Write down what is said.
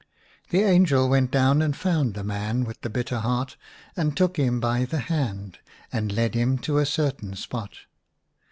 The angel went down and found the man with the bitter heart and took him by the hand, and led him to a certain spot.